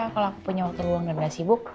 kalau aku punya waktu luang dan gak sibuk